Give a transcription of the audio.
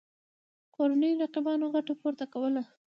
کورنیو رقیبانو ګټه پورته کوله.